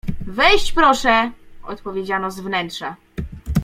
Wejść proszę! — odpowiedziano z wnętrza.